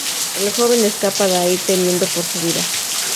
El joven escapa de ahí temiendo por su vida.